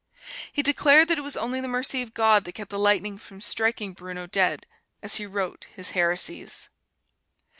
He declared that it was only the mercy of God that kept the lightning from striking Bruno dead as he wrote his heresies.